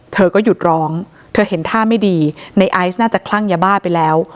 เธอก็หยุดร้องเธอเห็นท่าไม่ดีในไอซ์น่าจะคลั่งยาบ้าไปแล้ว